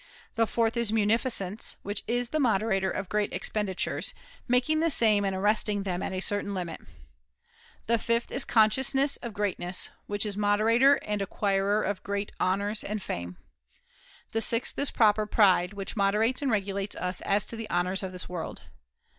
The fourth is munificence, which is the moderator of great expenditures, making the same and arresting them at a certain limit. The fifth is consciousness of greatness, XVII. THE FOURTH TREATISE 315 which is moderator and acquirer of great honours Virtues and fame, and vices The sixth is proper pride, which moderates and regulates us as to the honours of this world.